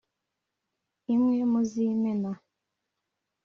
imwe mu z’Imena